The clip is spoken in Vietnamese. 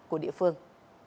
của địa phương